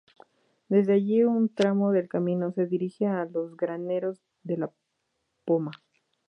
Desde allí un tramo del camino se dirige a los Graneros de La Poma.